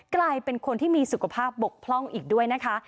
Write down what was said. กลายเป็นคนที่มีสุขภาพบกพร่องอีกด้วยนะคะ